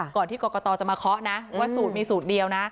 ที่กรกตจะมาเคาะนะว่าสูตรมีสูตรเดียวนะ